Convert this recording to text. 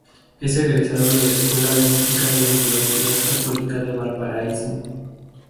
Es Egresado de la Escuela de Música de la Universidad Católica de Valparaiso.